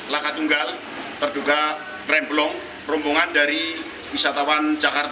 laka tunggal diduga tremblong perumbungan dari wisatawan